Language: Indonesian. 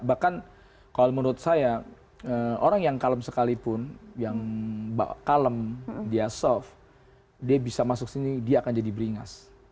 bahkan kalau menurut saya orang yang kalem sekalipun yang kalem dia soft dia bisa masuk sini dia akan jadi beringas